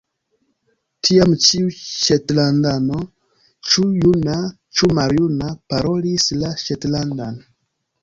Tiam, ĉiu ŝetlandano, ĉu juna, ĉu maljuna, parolis la ŝetlandan.